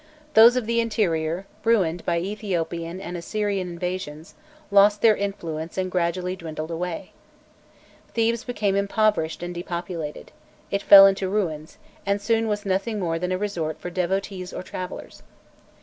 Those of the interior, ruined by Ethiopian and Assyrian invasions, lost their influence and gradually dwindled away. Thebes became impoverished and depopulated; it fell into ruins, and soon was nothing more than a resort for devotees or travellers.